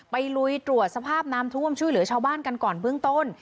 ลุยตรวจสภาพน้ำท่วมช่วยเหลือชาวบ้านกันก่อนเบื้องต้น